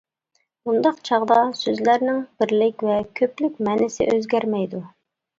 بۇنداق چاغدا سۆزلەرنىڭ بىرلىك ۋە كۆپلۈك مەنىسى ئۆزگەرمەيدۇ.